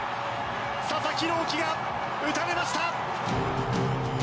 佐々木朗希が打たれました。